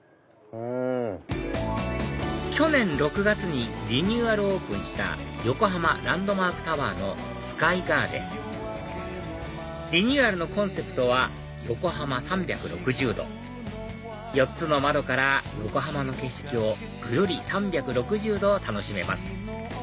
去年６月にリニューアルオープンした横浜ランドマークタワーのスカイガーデンリニューアルのコンセプトは「ＹＯＫＯＨＡＭＡ３６０°」４つの窓から横浜の景色をぐるり３６０度楽しめます